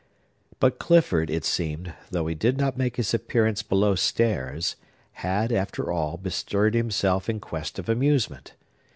But Clifford, it seemed, though he did not make his appearance below stairs, had, after all, bestirred himself in quest of amusement.